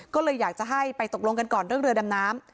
ก็เลยอยากจะให้ไปตกลงกันก่อนเรื่องเรือดำน้ำ